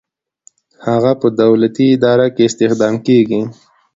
هغه په دولتي اداره کې استخدام کیږي.